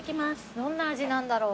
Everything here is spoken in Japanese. どんな味なんだろう。